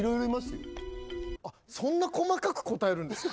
あそんな細かく答えるんですか？